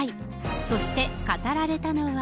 そして、語られたのは。